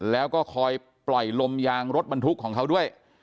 แล้วก็คอยปล่อยลมยางรถบรรทุกของเขาด้วย